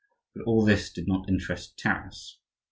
But all this did not interest Taras.